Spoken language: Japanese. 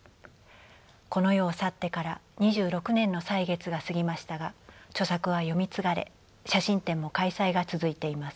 この世を去ってから２６年の歳月が過ぎましたが著作は読み継がれ写真展も開催が続いています。